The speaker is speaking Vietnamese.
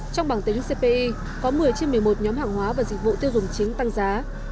trong bảng tính cpi có một mươi trên một mươi một nhóm hàng hóa và dịch vụ tiêu dùng chính tăng giá